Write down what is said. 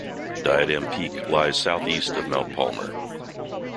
Diadem Peak lies southeast of Mount Palmer.